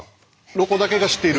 「ロコだけが知っている」。